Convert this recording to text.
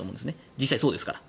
実際にそうですから。